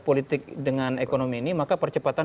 politik dengan ekonomi ini maka percepatan